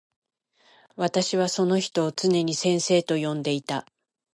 私はその人をつねに先生と呼んでいた。